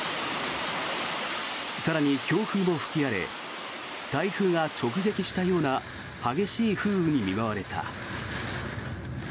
更に、強風も吹き荒れ台風が直撃したような激しい風雨に見舞われた。